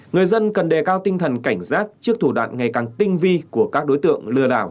người dân cần đề cao tinh thần cảnh giác trước thủ đoạn ngày càng tinh vi của các đối tượng lừa đảo